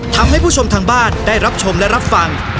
ทำให้ผู้ชมทางบ้านได้รับชมและรับฟัง